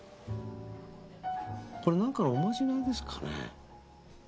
これ何かのおまじないですかね？